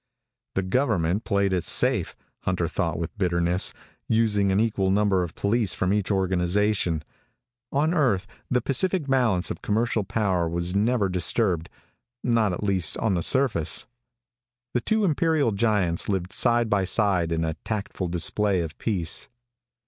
The government played it safe, Hunter thought with bitterness, using an equal number of police from each organization. On Earth the pacific balance of commercial power was never disturbed not, at least, on the surface. The two imperial giants lived side by side in a tactful display of peace.